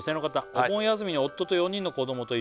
「お盆休みに夫と４人の子どもと一緒に」